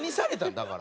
だから。